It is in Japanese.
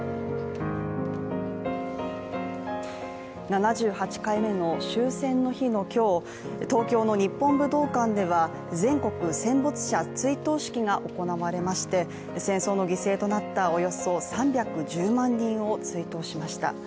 ７８回目の終戦の日の今日、東京の日本武道館では全国戦没者追悼式が行われまして戦争の犠牲となったおよそ３１０万人を追悼しました。